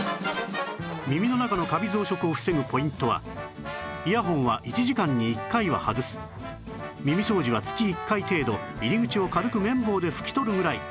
耳の中のカビ増殖を防ぐポイントはイヤホンは１時間に１回は外す耳掃除は月１回程度入り口を軽く綿棒で拭き取るぐらい